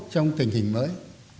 trong tình hình mới